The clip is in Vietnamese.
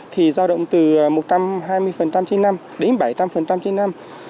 thì giao động từ một trăm hai mươi trên năm đến bảy trăm linh trên năm